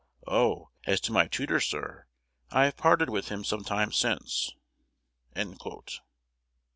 "Oh, as to my tutor, sir, I have parted with him some time since."